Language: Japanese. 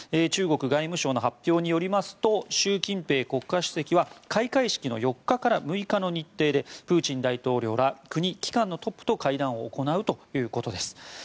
中国外務省の発表によりますと習近平国家主席は開会式の４日から６日の日程でプーチン大統領ら国・機関のトップと会談を行うということです。